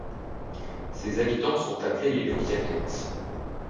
Ses habitants sont appelés les Llupianencs.